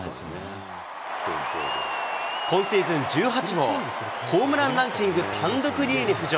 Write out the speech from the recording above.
今シーズン１８号、ホームランランキング単独２位に浮上。